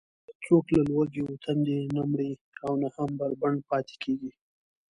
هېڅوک له لوږې و تندې نه مري او نه هم بربنډ پاتې کېږي.